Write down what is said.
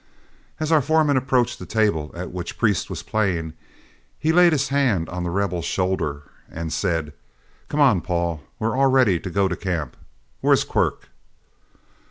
As our foreman approached the table at which Priest was playing, he laid his hand on The Rebel's shoulder and said, "Come on, Paul, we're all ready to go to camp. Where's Quirk?"